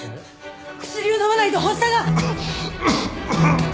薬を飲まないと発作が！